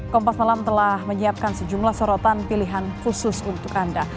kompas malam telah menyiapkan sejumlah sorotan pilihan khusus untuk anda